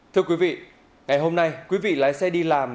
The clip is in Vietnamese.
thưa quý vị ngày hôm nay quý vị lái xe đi làm